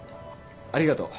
ありがとう。